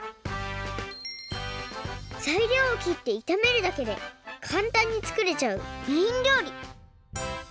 ざいりょうをきっていためるだけでかんたんにつくれちゃうメインりょうり！